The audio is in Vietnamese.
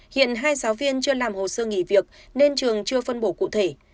hiện hai giáo viên chưa làm hồ sơ nghỉ việc nên trường chưa phân bổ cụ thể